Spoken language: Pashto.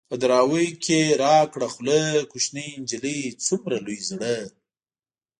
په دراوۍ کې را کړه خوله ـ کوشنۍ نجلۍ څومره لوی زړه